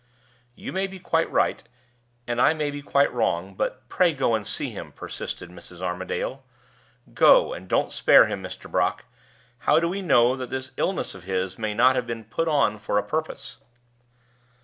"You may be quite right, and I may be quite wrong; but pray go and see him," persisted Mrs. Armadale. "Go, and don't spare him, Mr. Brock. How do we know that this illness of his may not have been put on for a purpose?"